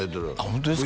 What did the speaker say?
ホントですか？